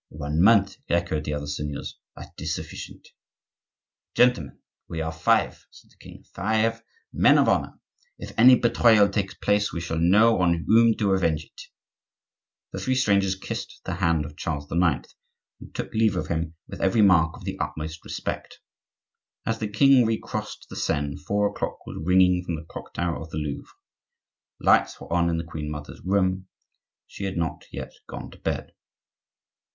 "One month," echoed the other seigneurs, "that is sufficient." "Gentlemen, we are five," said the king,—"five men of honor. If any betrayal takes place, we shall know on whom to avenge it." The three strangers kissed the hand of Charles IX. and took leave of him with every mark of the utmost respect. As the king recrossed the Seine, four o'clock was ringing from the clock tower of the Louvre. Lights were on in the queen mother's room; she had not yet gone to bed.